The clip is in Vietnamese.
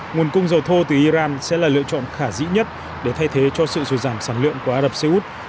nguồn cung dầu thô từ iran sẽ là lựa chọn khả dĩ nhất để thay thế cho sự dù giảm sản lượng của ả rập xê út